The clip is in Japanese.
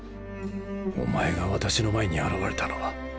お前が私の前に現れたのは。